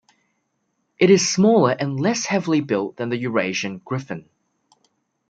It is smaller and less heavily built than the Eurasian griffon.